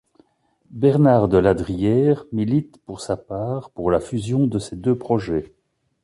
Bernard Deladrière milite pour sa part pour la fusion de ces deux projets.